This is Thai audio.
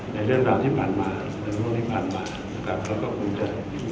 ให้เรื่องบ้างที่ผ่านมาและที่ผ่านมาก็จะ